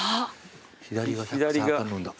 左が。